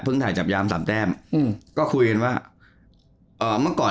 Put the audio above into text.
ถ่ายจับยามสามแต้มอืมก็คุยกันว่าเอ่อเมื่อก่อน